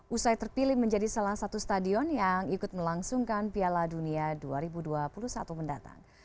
usai terpilih menjadi salah satu stadion yang ikut melangsungkan piala dunia dua ribu dua puluh satu mendatang